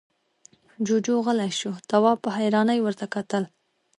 جُوجُو غلی شو، تواب په حيرانۍ ورته کتل…